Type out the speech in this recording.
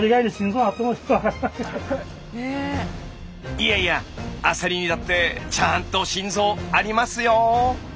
いやいやアサリにだってちゃんと心臓ありますよ。